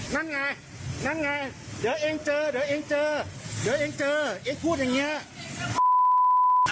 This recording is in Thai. นั่นไงนั่นไงเดี๋ยวเองเจอเดี๋ยวเองเจอเดี๋ยวเองเจอเองพูดอย่างนี้